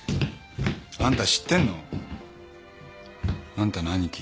あんた知ってんの？あんたの兄貴